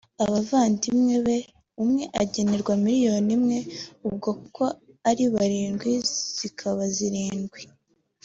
abavandimwe be umwe agenerwa miliyoni imwe ubwo kuko ari barindwi zikaba zirindwi